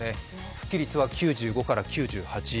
復帰率は９５９８。